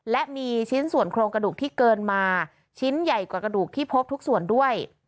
และมีชิ้นส่วนโครงกระดูกที่เกินมาชิ้นใหญ่กว่ากระดูกที่พบทุกส่วนด้วย